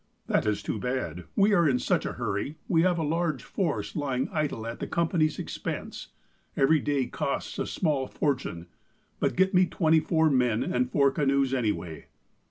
■" That is too bad. We are in such a hurry. We have a large force lying idle at the Company's expense. Every day costs a small fortune. But get me twenty four men and four canoes anyway."